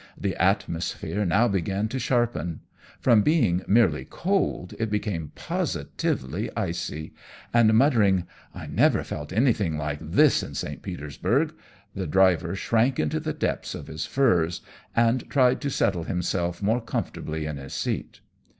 The atmosphere now began to sharpen. From being merely cold it became positively icy, and muttering, "I never felt anything like this in St. Petersburg," the driver shrank into the depths of his furs, and tried to settle himself more comfortably in his seat.